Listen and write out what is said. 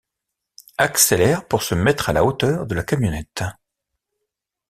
Accélère pour se mettre à la hauteur de la camionnette.